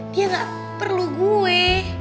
dia gak perlu gue